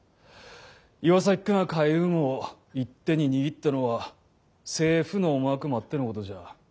岩崎君が海運を一手に握ったのは政府の思惑もあってのことじゃ。